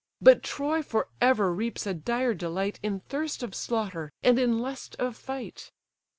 But Troy for ever reaps a dire delight In thirst of slaughter, and in lust of fight."